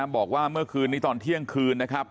บอกว่าเมื่อคืนนี้ตอนเที่ยงคืนนะครับ